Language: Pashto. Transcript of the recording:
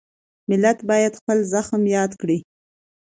ملت باید خپل زخم یاد کړي.